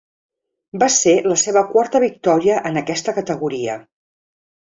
Va ser la seva quarta victòria en aquesta categoria.